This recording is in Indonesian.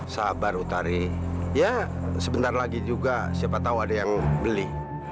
sabar utari ya sebentar lagi juga siapa tahu ada yang beli